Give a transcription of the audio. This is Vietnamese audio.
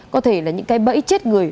có thể là những cái bẫy chết người